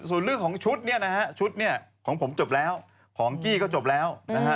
ส่วนเรื่องของชุดเนี่ยนะฮะชุดเนี่ยของผมจบแล้วของกี้ก็จบแล้วนะฮะ